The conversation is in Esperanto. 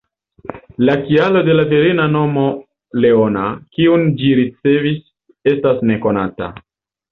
La kialo de la virina nomo, ""Leona"", kiun ĝi ricevis, estas nekonata.